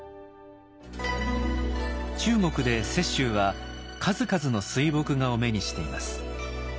中国で雪舟は数々の水墨画を目にしています。